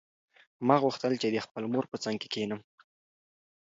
ما غوښتل چې د خپلې مور په څنګ کې کښېنم.